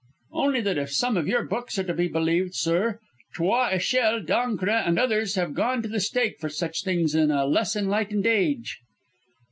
"Only that if some of your books are to be believed, sir, Trois Echelle, D'Ancre and others have gone to the stake for such things in a less enlightened age!"